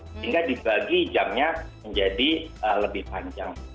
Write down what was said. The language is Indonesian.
sehingga dibagi jamnya menjadi lebih panjang